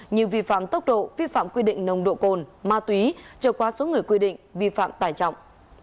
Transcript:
như vi phạm tốc độ vi phạm quy định nồng độ cồn ma túy trở qua số người quy định vi phạm tải trọng